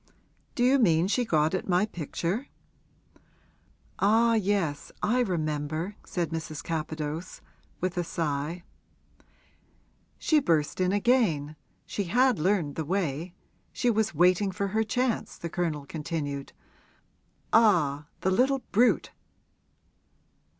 'Do you mean she got at my picture?' 'Ah yes, I remember,' said Mrs. Capadose, with a sigh. 'She burst in again she had learned the way she was waiting for her chance,' the Colonel continued. 'Ah, the little brute!'